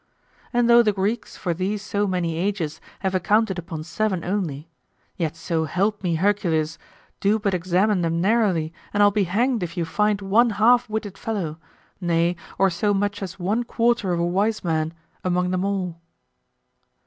And though the Greeks for these so many ages have accounted upon seven only, yet so help me Hercules, do but examine them narrowly, and I'll be hanged if you find one half witted fellow, nay or so much as one quarter of a wise man, among them all.